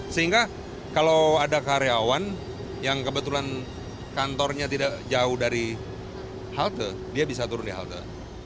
sehingga kalau ada karyawan yang kebetulan kantornya tidak jauh dari halte dia bisa turun di halte